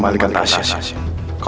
kalau tidak terus tanpa sisi sisi bunuhnya